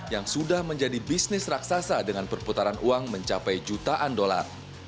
yang sudah menjadi bisnis raksasa dengan perputaran uang mencapai jutaan dolar